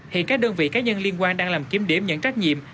hiện các đơn vị cá nhân liên quan đang làm kiếm đếm nhận trách nhiệm